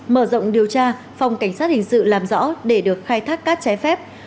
mở rộng điều tra phòng cảnh sát hình sự làm rõ để được khai thác cát trái phép